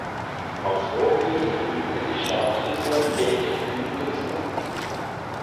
Als Vorbild diente die Stadtbibliothek Gütersloh.